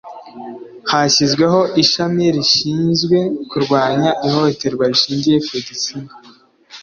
hashyizweho ishami rishinzwe kurwanya ihohoterwa rishingiye ku gitsina